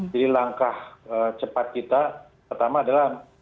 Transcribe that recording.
jadi langkah cepat kita pertama adalah